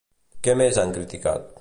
Què més han criticat?